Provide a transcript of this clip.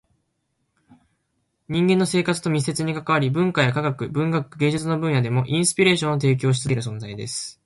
人間の生活と密接に関わり、文化や科学、文学、芸術の分野でもインスピレーションを提供し続ける存在です。